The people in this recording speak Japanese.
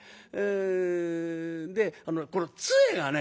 でこの杖がね